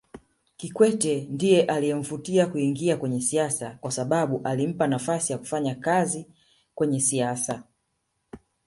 Kikwete ndiye aliyemvutia kuingia kwenye siasa kwasababu alimpa nafasi ya kufanya kazi kwenye siasa